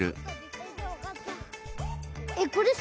えっこれさ